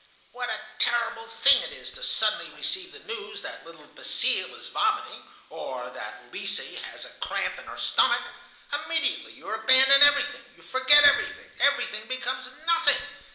What a terrible thing it is to suddenly receive the news that little Basile is vomiting, or that Lise has a cramp in the stomach! Immediately you abandon everything, you forget everything, everything becomes nothing.